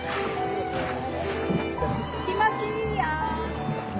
・気持ちいいよ。